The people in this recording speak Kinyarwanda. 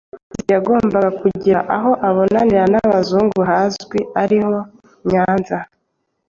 Yagombaga kugira aho abonanira n'Abazungu hazwi, ariho Nyanza.